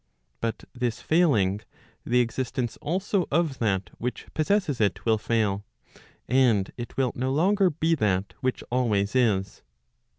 But this failing, the existence also of that which possesses it will fail, and it will no longer be that which always is.